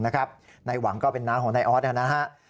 นายหวังก็เป็นน้าของนายออสนะครับ